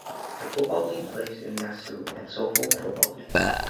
The football league plays in the Nassau and Suffolk Football League.